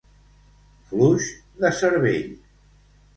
Fluix de cervell.